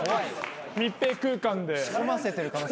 密閉空間で。